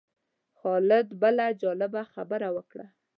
خالد بله جالبه خبره وکړه.